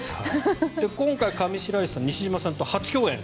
今回、上白石さんは西島さんと初共演。